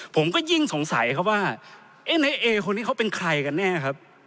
ผมก็ยิ่งสงสัยครับว่าเอ๊ะนายเอคนนี้เขาเป็นใครกันแน่ครับ